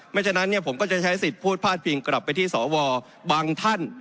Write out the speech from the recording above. ฉะนั้นผมก็จะใช้สิทธิ์พูดพาดพิงกลับไปที่สวบางท่าน